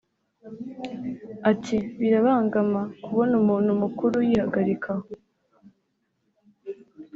Ati “Birabangama kubona umuntu mukuru yihagarika aho